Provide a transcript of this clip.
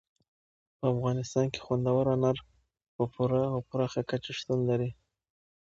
په افغانستان کې خوندور انار په پوره او پراخه کچه شتون لري.